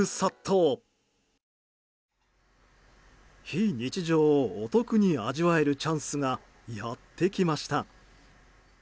非日常を、お得に味わえるチャンスがやってきました。